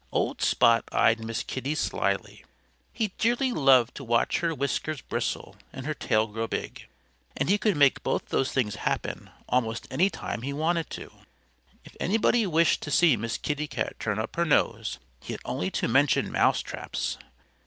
Old Spot eyed Miss Kitty slyly. He dearly loved to watch her whiskers bristle and her tail grow big. And he could make both those things happen almost any time he wanted to. If anybody wished to see Miss Kitty Cat turn up her nose he had only to mention mousetraps.